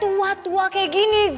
tua tua kayak gini